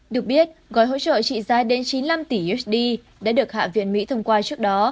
được biết gói hỗ trợ trị giá đến chín mươi năm tỷ usd đã được hạ viện mỹ thông qua trước đó